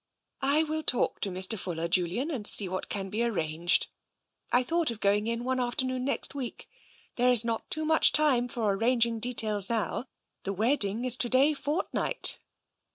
" I will talk to Mr. Fuller, Julian, and see what can be arranged. I thought of going in one afternoon next week. There is not too much time for arranging de tails now. The wedding is to day fortnight."